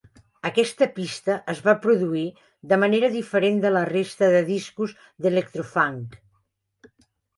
Aquesta pista es va produir de manera diferent de la resta de discos d'electro-funk.